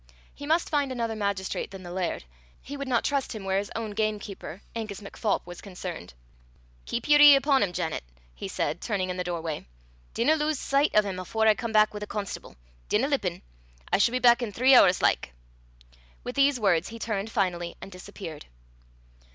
He must find another magistrate than the laird; he would not trust him where his own gamekeeper, Angus MacPholp, was concerned. "Keep yer ee upo' him, Janet," he said, turning in the doorway. "Dinna lowse sicht o' him afore I come back wi' the constable. Dinna lippen. I s' be back in three hoors like." With these words he turned finally, and disappeared.